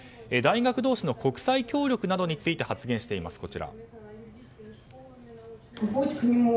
大学同士の国際協力などについて発言しています。